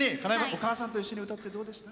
お母さんと一緒に歌ってどうでした？